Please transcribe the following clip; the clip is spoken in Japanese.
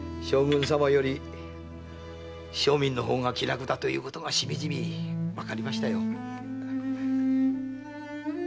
将軍様より庶民の方が気楽だということがしみじみわかりましたよ。